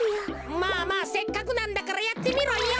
まあまあせっかくなんだからやってみろよ。